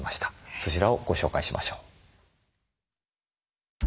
そちらをご紹介しましょう。